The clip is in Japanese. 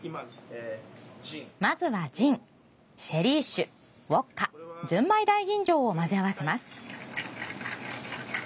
まずは、ジンシェリー酒、ウォッカ純米大吟醸を混ぜ合わせます。